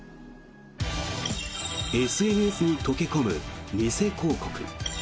ＳＮＳに溶け込む偽広告。